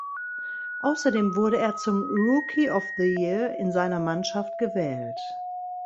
Außerdem wurde er zum Rookie of the Year seiner Mannschaft gewählt.